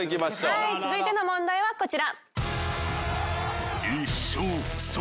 はい続いての問題はこちら。